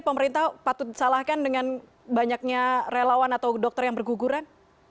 pemerintah patut disalahkan dengan banyaknya relawan atau dokter yang berguguran